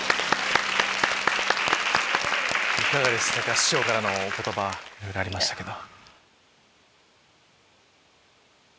いかがでしたか師匠からのお言葉いろいろありましたけど。